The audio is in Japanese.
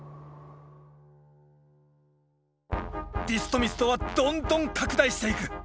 ディストミストはどんどん拡大していく！